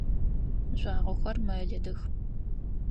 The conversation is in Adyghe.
Жъуагъохэр мэлыдых.